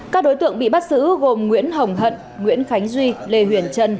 các đối tượng bị bắt giữ gồm nguyễn hồng hận nguyễn khánh duy lê huyền trân